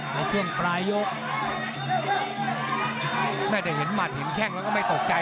ไม่ได้เห็นมัดเห็นแข้งแล้วก็ไม่ตกใจ